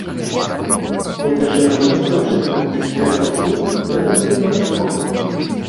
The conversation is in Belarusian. Бо для шэрагу вытворчасцяў і сферы паслуг гэта будзе катастрофа.